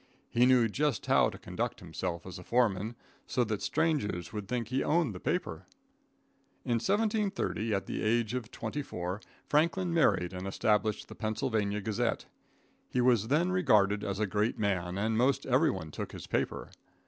He knew just how to conduct himself as a foreman, so that strangers would think he owned the paper. In 1730, at the age of 24, Franklin married and established the Pennsylvania Gazette. He was then regarded as a great man, and most everyone took his paper.